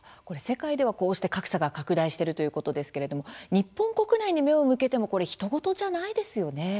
世界では、こうして格差が拡大しているということですが日本国内に目を向けてもひと事じゃないですよね。